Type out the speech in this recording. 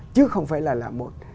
chứ không phải là làm một